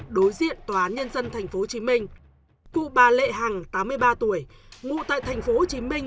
đối diện tòa án nhân dân thành phố hồ chí minh cụ bà lệ hằng tám mươi ba tuổi ngụ tại thành phố hồ chí minh